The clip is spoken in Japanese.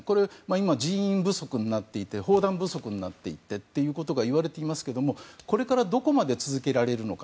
今、人員不足、砲弾不足になってということがいわれていますけども、これからどこまで続けられるのか。